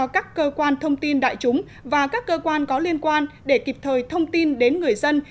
các cơ quan thông tin đại chúng và các cơ quan có liên quan để kịp thời thông tin đến người dân